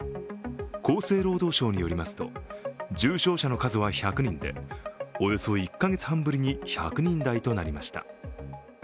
厚生労働省によりますと、重症者の数は１００人でおよそ１カ月半ぶりに１００人台となりました。